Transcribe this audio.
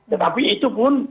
tetapi itu pun